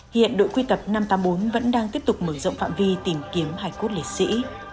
hiện đội quy tập năm trăm tám mươi bốn vẫn đang tiếp tục mở rộng phạm vi tìm kiếm hải cốt lễ sĩ